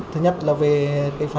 thứ nhất là về